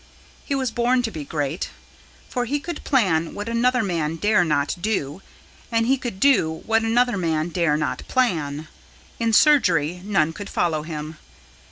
He was born to be great, for he could plan what another man dare not do, and he could do what another man dare not plan. In surgery none could follow him.